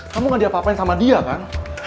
kamu gak diapa apain sama dia kan